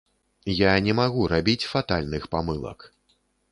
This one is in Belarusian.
Я не магу рабіць фатальных памылак.